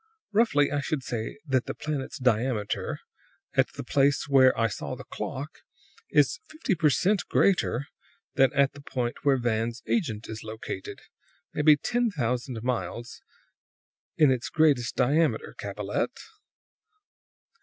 Roughly, I should say that the planet's diameter, at the place where I saw the clock, is fifty per cent greater than at the point where Van's agent is located; maybe ten thousand miles in its greatest diameter, Capellette.